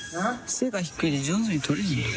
背が低いで上手に撮れへんわ。